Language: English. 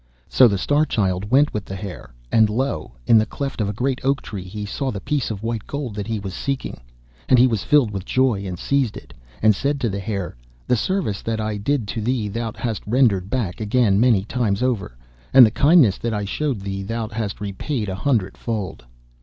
So the Star Child went with the Hare, and lo! in the cleft of a great oak tree he saw the piece of white gold that he was seeking. And he was filled with joy, and seized it, and said to the Hare, 'The service that I did to thee thou hast rendered back again many times over, and the kindness that I showed thee thou hast repaid a hundred fold.